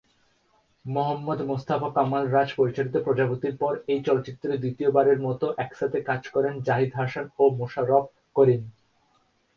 মুহম্মদ মোস্তফা কামাল রাজ পরিচালিত "প্রজাপতির" পর এই চলচ্চিত্রে দ্বিতীয়বারের মত একসাথে কাজ করেন জাহিদ হাসান ও মোশাররফ করিম।